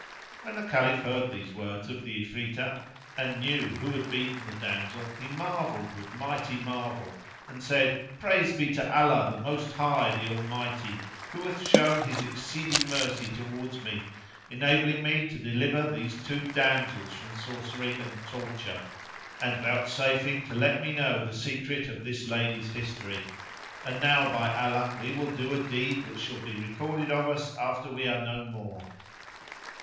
When the Caliph heard these words of the Ifritah, and knew who had beaten the damsel, he marvelled with mighty marvel and said, "Praise be to Allah, the Most High, the Almighty, who hath shown his exceeding mercy towards me, enabling me to deliver these two damsels from sorcery and torture, and vouchsafing to let me know the secret of this lady's history! And now by Allah, we will do a deed which shall be recorded of us after we are no more."